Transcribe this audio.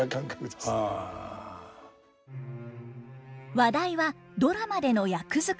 話題はドラマでの役作りに。